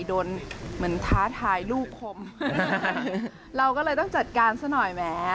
เหมือนท้าทายลูกคมเราก็เลยต้องจัดการซะหน่อยแหม